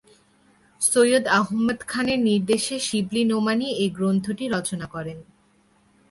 সৈয়দ আহমদ খানের নির্দেশে শিবলী নোমানী এই গ্রন্থটি রচনা করেন।